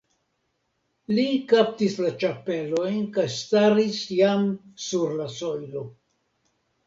Li kaptis la ĉapelon kaj staris jam sur la sojlo.